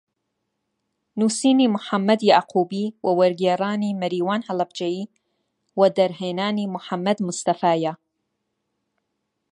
نووسینی محەممەد یەعقوبی و وەرگێڕانی مەریوان هەڵەبجەیی و دەرهێنانی محەممەد مستەفایە